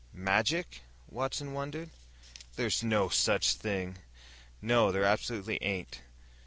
"Magic," Watson muttered. "There's ... no ... such ... thing!" "No, there absolutely ain't."